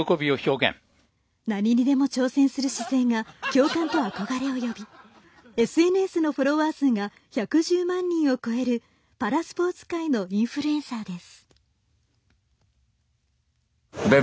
何にでも挑戦する姿勢が共感と憧れを呼びＳＮＳのフォロワー数が１１０万人を超えるパラスポーツ界のインフルエンサーです。